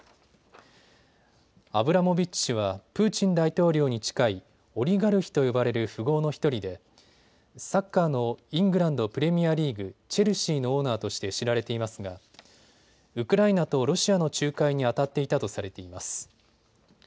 アブラモビッチ氏はプーチン大統領に近いオリガルヒと呼ばれる富豪の１人でサッカーのイングランドプレミアリーグ、チェルシーのオーナーとして知られていますがウクライナとロシアの仲介にあたっていたとされています。